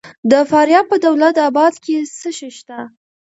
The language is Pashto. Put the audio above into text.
د فاریاب په دولت اباد کې څه شی شته؟